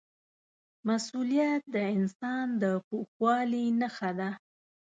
مسؤلیت د انسان د پوخوالي نښه ده.